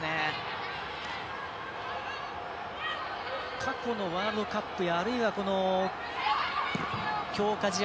過去のワールドカップあるいはこの強化試合